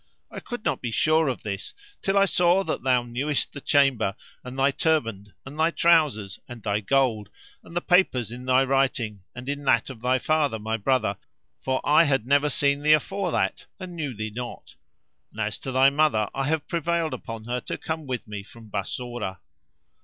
I could not be sure of this, till I saw that thou knewest the chamber and thy turband and thy trousers and thy gold and the papers in thy writing and in that of thy father, my brother; for I had never seen thee afore that and knew thee not; and as to thy mother I have prevailed upon her to come with me from Bassorah."